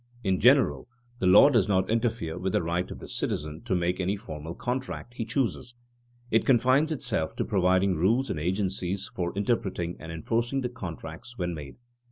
_ In general, the law does not interfere with the right of the citizen to make any formal contract he chooses. It confines itself to providing rules and agencies for interpreting and enforcing the contracts when made.